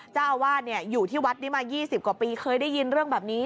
เจ้าอ้าวาดเนี่ยอยู่ที่วัดนี้มายี่สิบกว่าปีเคยได้ยินเรื่องแบบนี้